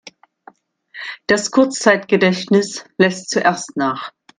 Das Kurzzeitgedächtnis lässt zuerst nach.